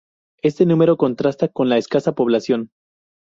Este número contrasta con la escasa población.